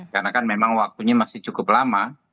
karena kan memang waktunya masih cukup lama